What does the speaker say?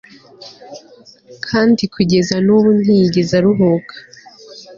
kandi kugeza n'ubu ntiyigeze aruhuka